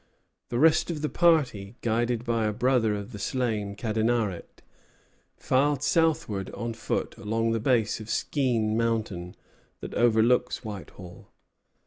The rest of the party, guided by a brother of the slain Cadenaret, filed southward on foot along the base of Skene Mountain, that overlooks Whitehall.